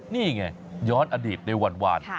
นี่ไงย้อนอดีตในวัน